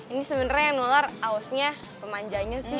ini sebenernya yang nular hausnya pemanjanya sih